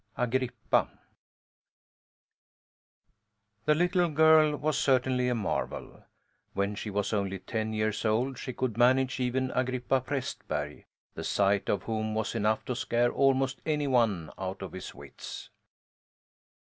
AGRIPPA The little girl was certainly a marvel! When she was only ten years old she could manage even Agrippa Prästberg, the sight of whom was enough to scare almost any one out of his wits.